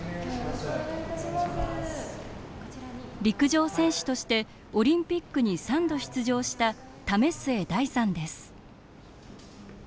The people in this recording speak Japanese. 陸上選手としてオリンピックに３度出場した為末大さんです